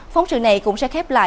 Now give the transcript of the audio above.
phóng sự này cũng sẽ khép lại